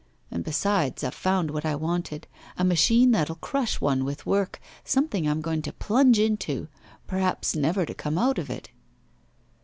And, besides, I've found what I wanted, a machine that'll crush one with work, something I'm going to plunge into, perhaps never to come out of it.